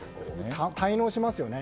滞納しますよね。